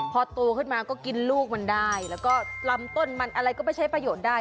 พอโตขึ้นมาก็กินลูกมันได้แล้วก็ลำต้นมันอะไรก็ไปใช้ประโยชน์ได้